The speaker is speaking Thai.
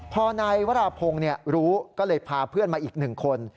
พอนายวราพงศ์รู้ก็เลยพาเพื่อนมาอีกหนึ่งคน